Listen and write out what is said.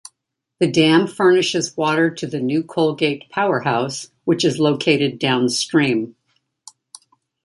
The dam furnishes water to the New Colgate Powerhouse, which is located downstream.